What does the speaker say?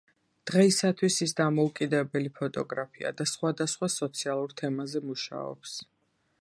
დღეისათვის ის დამოუკიდებელი ფოტოგრაფია და სხვადასხვა სოციალურ თემაზე მუშაობს.